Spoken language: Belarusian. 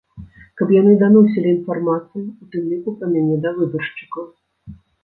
Каб яны даносілі інфармацыю, у тым ліку пра мяне да выбаршчыкаў.